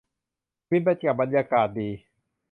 ฟินไปกับบรรยากาศดี